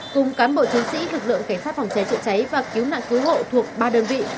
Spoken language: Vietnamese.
cùng cán bộ chiến sĩ lực lượng cảnh sát phòng cháy chữa cháy và cứu nạn cứu hộ thuộc ba đơn vị